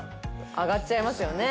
上がっちゃいますよね。